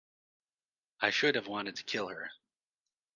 I should have wanted to kill her.